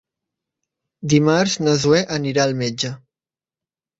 Dimarts na Zoè anirà al metge.